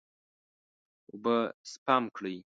اوبه سپم کړئ.